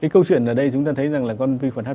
câu chuyện ở đây chúng ta thấy rằng là con vi khuẩn hát